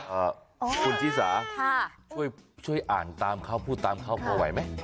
อะคุณจิสาช่วยอ่านตามเขาพูดตามเขาพอไหวไหม